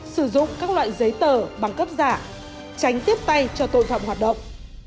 sử dụng các loại giấy tờ bằng cấp giả tránh tiếp tay cho tội phạm hoạt động